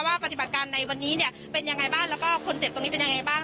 ปฏิบัติการในวันนี้เนี่ยเป็นยังไงบ้างแล้วก็คนเจ็บตรงนี้เป็นยังไงบ้าง